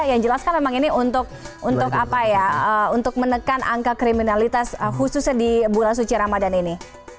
yang jelas kan memang ini untuk menekan angka kriminalitas khususnya di bulan suci ramadan ini